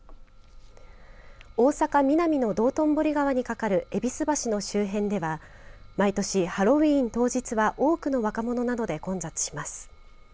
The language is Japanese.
大坂ミナミの道頓堀川に架かる戎橋の周辺では毎年ハロウィーン当日は多くの若者などで混雑します。